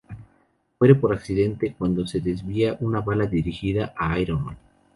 Muere por accidente cuando se desvía una bala dirigida a Iron Man.